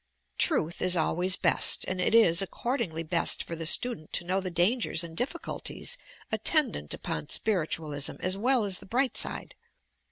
"Tnith is always best," and it is accordingly best for the student to tnow the dangers and difficulties attendant upon Spiritualism as well as the bright side.